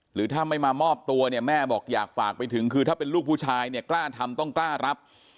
หรือถ้าไม่มามอบตัวเนี่ยแม่บอกอยากฝากไปถึงคือถ้าเป็นลูกผู้ชายเนี่ยกล้าทำต้องกล้ารับ